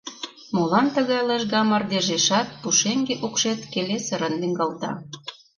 Молан тыгай лыжга мардежешат пушеҥге укшет келесырын лӱҥгалта?